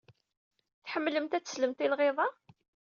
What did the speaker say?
Tḥemmlemt ad teslemt i lɣiḍa?